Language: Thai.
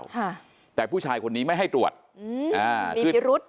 ค่ะแต่ผู้ชายคนนี้ไม่ให้ตรวจอืมอ่ามีพิรุษ